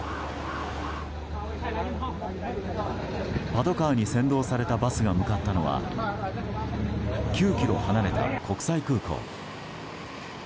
パトカーに先導されたバスが向かったのは９ｋｍ離れた国際空港。